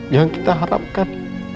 yang kita harapkan